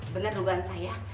dengan dugaan saya